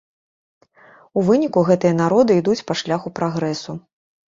У выніку гэтыя народы ідуць па шляху прагрэсу.